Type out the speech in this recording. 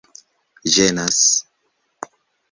ĝenas